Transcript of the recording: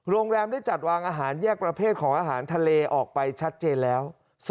โรงแรมได้จัดวางอาหารแยกประเภทของอาหารทะเลออกไปชัดเจนแล้ว